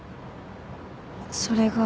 それが。